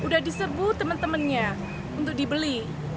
udah diserbu teman temannya untuk dibeli